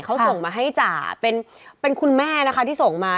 เขาส่งมาให้จ่าเป็นคุณแม่นะคะที่ส่งมา